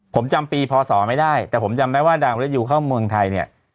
ผมจำปีพศไม่ได้แต่ผมจำได้ว่าดาวมริยูเข้าเมืองไทยเนี่ย